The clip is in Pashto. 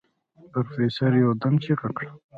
پروفيسر يودم چيغه کړه.